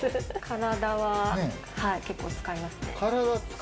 体は結構使いますね。